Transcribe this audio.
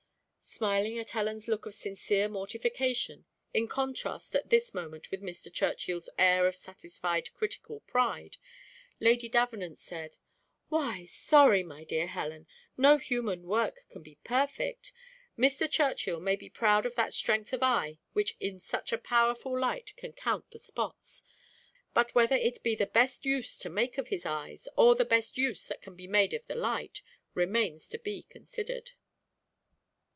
Smiling at Helen's look of sincere mortification, in contrast at this moment with Mr. Churchill's air of satisfied critical pride, Lady Davenant said, "Why sorry, my dear Helen? No human work can be perfect; Mr. Churchill may be proud of that strength of eye which in such a powerful light can count the spots. But whether it be the best use to make of his eyes, or the best use that can be made of the light, remains to be considered."